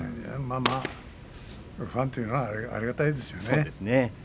ファンというのはありがたいですね。